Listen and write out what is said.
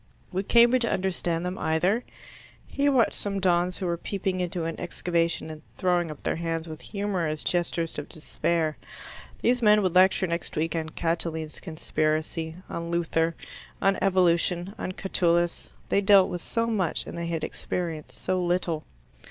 Would Cambridge understand them either? He watched some dons who were peeping into an excavation, and throwing up their hands with humorous gestures of despair. These men would lecture next week on Catiline's conspiracy, on Luther, on Evolution, on Catullus. They dealt with so much and they had experienced so little.